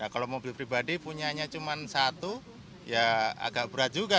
kalau mobil pribadi punyanya cuma satu ya agak berat juga